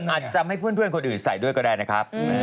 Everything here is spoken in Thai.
อาจจะทำให้เพื่อนคนอื่นใส่ด้วยก็ได้นะครับ